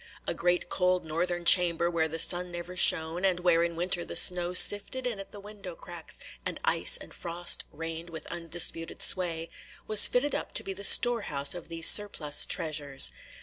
A great cold northern chamber, where the sun never shone, and where in winter the snow sifted in at the window cracks, and ice and frost reigned with undisputed sway, was fitted up to be the storehouse of these surplus treasures.